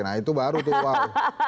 nah itu baru tuh